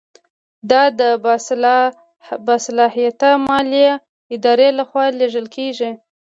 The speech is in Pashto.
دا د باصلاحیته مالي ادارې له خوا لیږل کیږي.